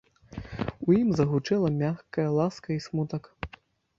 У ім загучэла мяккая ласка і смутак.